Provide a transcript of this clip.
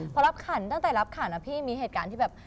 พอรับขันตั้งแต่รับขันนะพี่มีเหตุการณ์ที่แบบ